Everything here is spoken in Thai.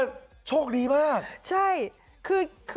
โอ้โหก็โชคดีมาก